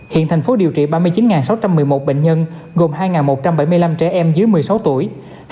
hiện thành phố điều trị ba mươi chín sáu trăm một mươi một bệnh nhân gồm hai một trăm bảy mươi năm trẻ em dưới một mươi sáu tuổi